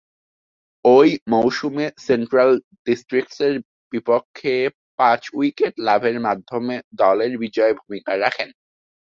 ঐ মৌসুমে সেন্ট্রাল ডিস্ট্রিক্টসের বিপক্ষে পাঁচ উইকেট লাভের মাধ্যমে দলের বিজয়ে ভূমিকা রাখেন।